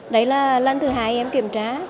đấy là lần thứ hai em kiểm tra